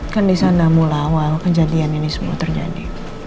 kan di sana mula awal kejadian ini semua terjadi